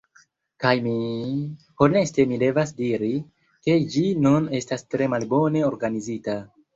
Kaj mi… Honeste mi devas diri, ke ĝi nun estas tre malbone organizita.